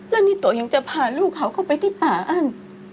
แล้วนี่ตัวยังจะพาลูกเขาเข้าไปที่ป่าอั้น